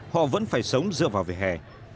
họ vẫn phải sống dựa vào về hè